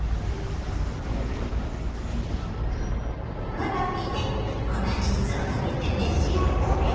好みで粉チーズをかけて召し上がれ。